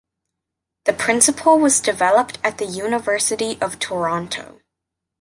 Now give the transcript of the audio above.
The principle was developed at the University of Toronto.